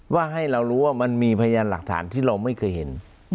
ว่าให้เรารู้ว่ามันมีพยานหลักฐานที่เราไม่เคยเห็น